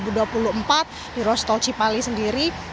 nah kalau berdasarkan informasi darah